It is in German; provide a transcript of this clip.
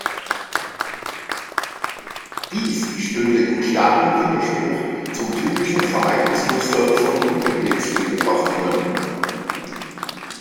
Dies stünde in klarem Widerspruch zum typischen Verhaltensmuster von Kugelblitz-Beobachtungen.